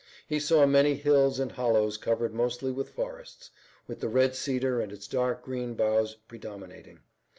He saw many hills and hollows covered mostly with forests, with the red cedar and its dark green boughs predominating.